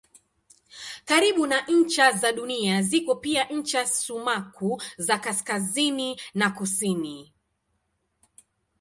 Karibu na ncha za Dunia ziko pia ncha sumaku za kaskazini na kusini.